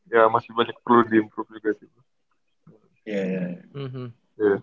ya masih banyak perlu di improve juga sih